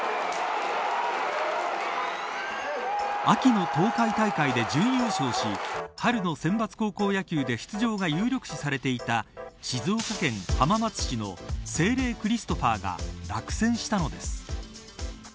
秋の東海大会で準優勝し春の選抜高校野球で出場が有力視されていた静岡県浜松市の聖隷クリストファーが落選したのです。